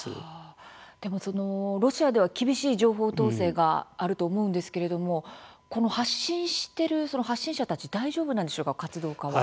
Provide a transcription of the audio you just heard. でも、そのロシアでは厳しい情報統制があると思うんですけれども発信している発信者たち大丈夫なんでしょうか、活動家は。